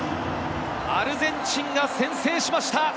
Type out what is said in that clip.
アルゼンチンが先制しました。